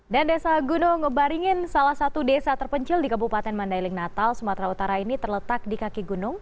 dan desa gunung baringin salah satu desa terpencil di kabupaten mandailing natal sumatera utara ini terletak di kaki gunung